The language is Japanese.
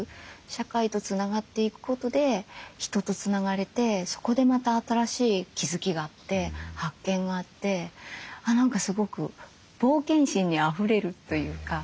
社会とつながっていくことで人とつながれてそこでまた新しい気付きがあって発見があって何かすごく冒険心にあふれるというか。